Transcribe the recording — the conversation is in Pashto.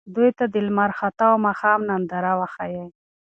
دوی ته د لمر خاته او ماښام ننداره وښایئ.